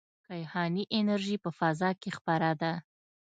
کیهاني انرژي په فضا کې خپره ده.